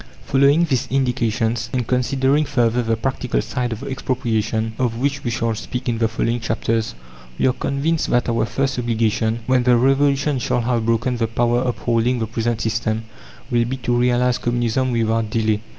Following these indications, and considering further the practical side of expropriation, of which we shall speak in the following chapters, we are convinced that our first obligation, when the revolution shall have broken the power upholding the present system, will be to realize Communism without delay.